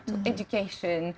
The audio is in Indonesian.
untuk pendidikan keamanan hidup